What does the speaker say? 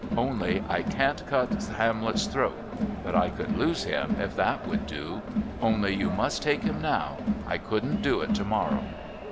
"Only I can't cut Hamlet's throat. But I could lose him, if that would do.. . Only you must take him now I couldn't do it to morrow."